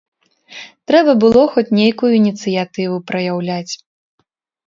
Трэба было хоць нейкую ініцыятыву праяўляць.